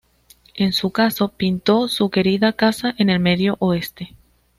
En su caso, pintó su querida casa en el Medio Oeste.